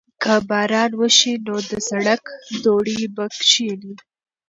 که باران وشي نو د سړک دوړې به کښېني.